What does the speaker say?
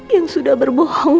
yang sudah berbohong